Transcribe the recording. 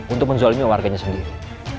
untuk menzolimi warganya sendiri